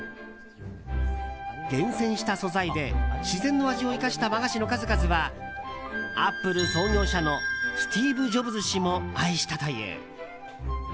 厳選した素材で自然の味を生かした和菓子の数々はアップル創業者のスティーブ・ジョブズ氏も愛したという。